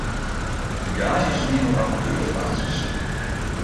De gaazjes wienen op amateurbasis.